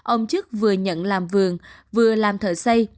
ông chức vừa nhận làm vườn vừa làm thợ xây